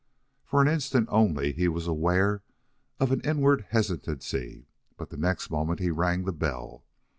For an instant only, he was aware of an inward hesitancy, but the next moment he rang the bell.